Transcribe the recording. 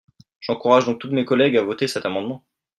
J’encourage donc tous mes collègues à voter cet amendement.